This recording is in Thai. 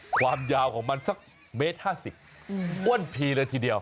ความยาวของมันสักเมตร๕๐อ้วนพีเลยทีเดียว